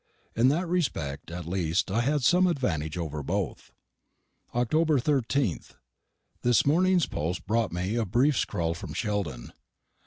In that respect at least I had some advantage over both. October 13th. This morning's post brought me a brief scrawl from Sheldon.